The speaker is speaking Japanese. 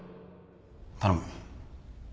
頼む。